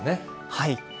はい。